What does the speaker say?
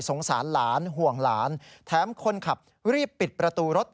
สงสารหลานห่วงหลานแถมคนขับรีบปิดประตูรถ